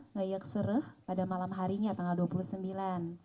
ngayak serhe pada malam harinya tanggal dua puluh sembilan